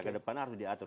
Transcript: ke depan harus diatur